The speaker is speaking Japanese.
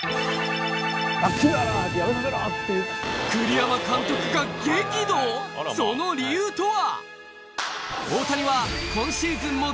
栗山監督が激怒その理由とは？